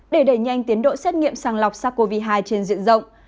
để đẩy nhanh tiến độ xét nghiệm sàng lọc sars cov hai trên diện rộng